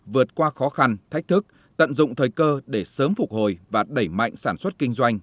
vượt qua khó khăn thách thức tận dụng thời cơ để sớm phục hồi và đẩy mạnh sản xuất kinh doanh